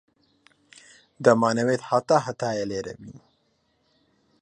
دەمانەوێت هەتا هەتایە لێرە بین.